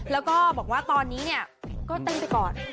แล้วก็บอกว่าตอนนี้เนี่ยก็เต้นไปก่อน